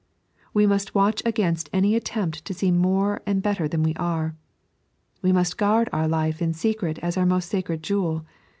"We must wat«h against any attempt to seem more and better than we are. We must guard our life in secret as our most sacred jewel.